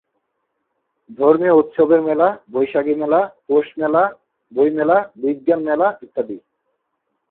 ধর্মীয় উৎসবের মেলা, বৈশালী মেলা, পৌষ মেলা, বই মেলা, বিজ্ঞান মেলা ইত্যাদি।